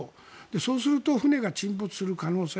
そうすると船が沈没する可能性。